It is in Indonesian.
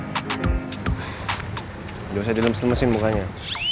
jangan bisa dilemesin lemesin mukanya